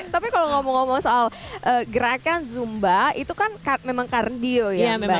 tapi kalau ngomong ngomong soal gerakan zumba itu kan memang kardio ya mbak